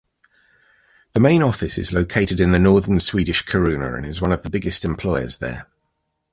The main office is located in the northern Swedish Kiruna and is one of the biggest employers there.